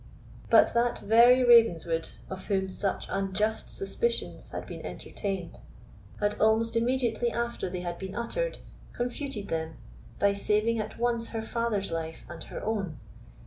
But that very Ravenswood, of whom such unjust suspicions had been entertained, had, almost immediately after they had been uttered, confuted them by saving at once her father's life and her own.